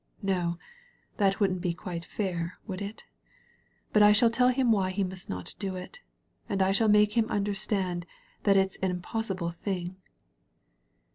No, that wouldn't be quite fair, would it? But I shall tell him why he must not do it, and / shali make him understand that ifs an impossible thing.